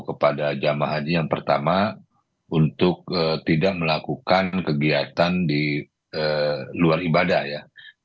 kepada jamaah haji yang pertama untuk tidak melakukan kegiatan di luar ibadah ya